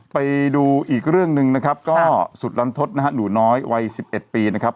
ไปดูอีกเรื่องหนึ่งนะครับก็สุดลันทศนะฮะหนูน้อยวัย๑๑ปีนะครับ